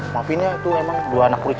maafin ya emang itu dua anak kulitnya